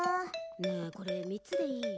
ねえこれ３つでいい？